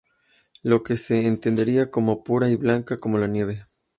Lo que se entendería como "pura y blanca como la nieve".